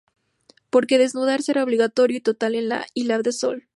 Porque desnudarse era obligatorio y total en la Ilha do Sol.